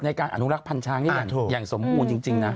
ในการอนุรักษ์พันธุ์ช้างอย่างสมมุติจริง